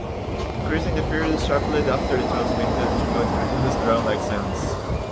Increasing the period sharply after the transient input produces drum-like sounds.